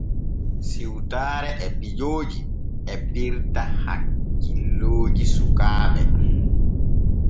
Siwtaare e pijoojo e pirta hakkilooji sukaaɓe.